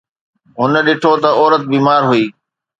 هن ڏٺو ته عورت بيمار هئي